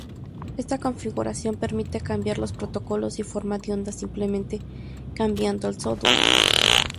Esta configuración permite cambiar los protocolos y formas de onda simplemente cambiando el software.